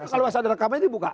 kalau ada rekamannya dibuka